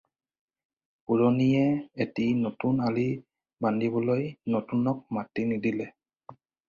পুৰণিয়ে এটি নতুন আলি বান্ধিবলৈ নতুনক মাটি নিদিয়ে